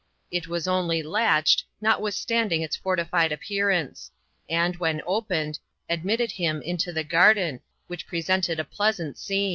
It was only latched, notwithstanding its fortified appearance, and, when opened, admitted him into the garden, which presented a pleasant scene.